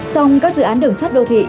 xong các dự án đường sắt đô thị